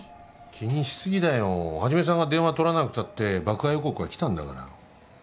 気にし過ぎだよ一さんが電話取らなくたって爆破予告は来たんだから。